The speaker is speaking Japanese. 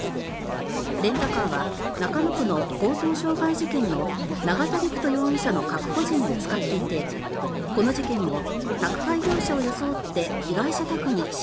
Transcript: レンタカーは中野区の強盗傷害事件の永田陸人容疑者の確保時に見つかっていてこの事件も宅配業者を装って被害者宅に侵入していました。